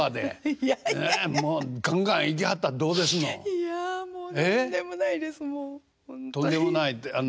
いやもうとんでもないです。